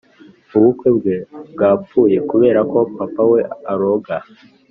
Ubukwe bwe bwapfuye kuberako papa we aroga